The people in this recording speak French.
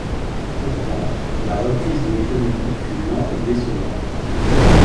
Pourtant, la reprise de l'économie fut lente et décevante.